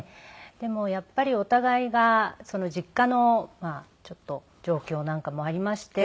でもやっぱりお互いが実家のちょっと状況なんかもありまして。